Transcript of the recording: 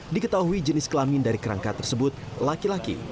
diketahui jenis kelamin dari kerangka tersebut laki laki